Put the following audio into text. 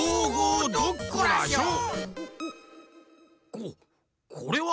ここれは！